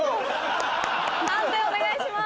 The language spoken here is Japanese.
判定お願いします。